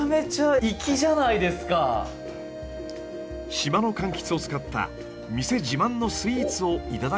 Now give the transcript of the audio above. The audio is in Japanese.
島のかんきつを使った店自慢のスイーツを頂くことに。